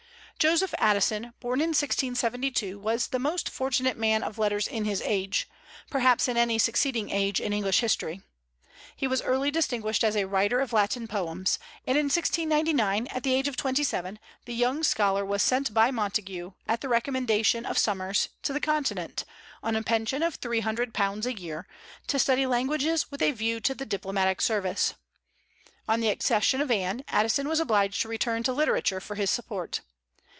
Joseph Addison, born in 1672, was the most fortunate man of letters in his age, perhaps in any succeeding age in English history. He was early distinguished as a writer of Latin poems; and in 1699, at the age of twenty seven, the young scholar was sent by Montague, at the recommendation of Somers, to the Continent, on a pension of £300 a year, to study languages with a view to the diplomatic service. On the accession of Anne, Addison was obliged to return to literature for his support.